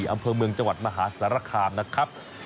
อำเภอเมืองต้มธสารคามนะครับ